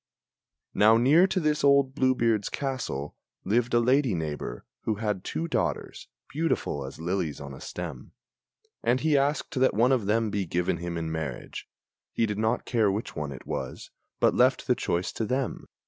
Now near to this old Blue beard's castle lived a lady neighbor, Who had two daughters, beautiful as lilies on a stem; And he asked that one of them be given him in marriage He did not care which one it was, but left the choice to them.